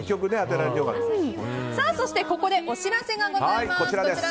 そしてここでお知らせがございます。